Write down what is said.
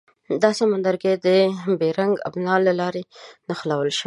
دا سمندرګي د بیرنګ ابنا له لارې نښلول شوي.